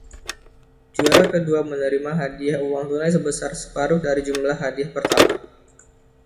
Juara kedua menerima hadiah uang tunai sebesar separuh dari jumlah hadiah pertama.